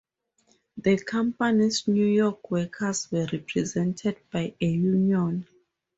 The company's New York workers were represented by a union.